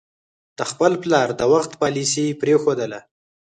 د خپل پلار د وخت پالیسي پرېښودله.